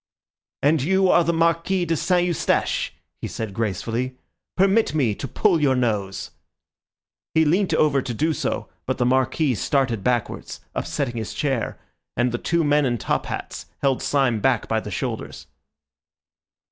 "And you are the Marquis de Saint Eustache," he said gracefully. "Permit me to pull your nose." He leant over to do so, but the Marquis started backwards, upsetting his chair, and the two men in top hats held Syme back by the shoulders.